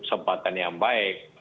tempatan yang baik